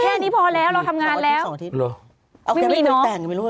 อะไหศวรรค์อันนี้อะไหศวรรค์